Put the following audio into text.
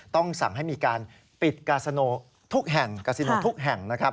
ต้องสั่งให้มีการปิดกาสิโนทุกแห่ง